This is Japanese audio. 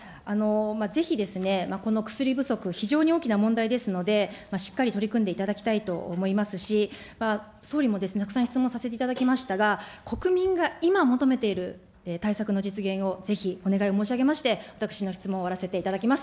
ぜひですね、この薬不足、非常に大きな問題ですので、しっかり取り組んでいただきたいと思いますし、総理も、たくさん質問させていただきましたが、国民が今求めている対策の実現を、ぜひお願いを申し上げまして、私の質問を終わらせていただきます。